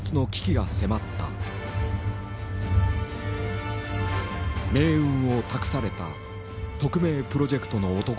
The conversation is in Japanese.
命運を託された特命プロジェクトの男たち。